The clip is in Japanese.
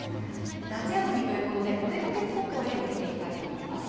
夏休みということでお出かけスポットを例に見ていきたいと思います。